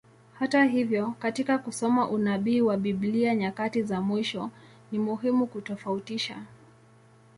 Hata hivyo, katika kusoma unabii wa Biblia nyakati za mwisho, ni muhimu kutofautisha.